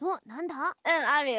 うんあるよ。